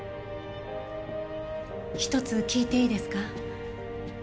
ひとつ聞いていいですか？